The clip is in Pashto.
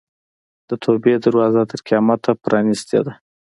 د توبې دروازه تر قیامته پرانستې ده.